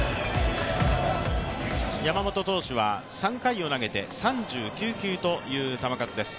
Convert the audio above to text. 山本投手は３回を投げて３９球という球数です。